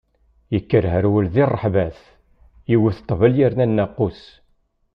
Yekker herwel di ṛṛeḥbat, yewwet ṭṭbel yerna nnaqus.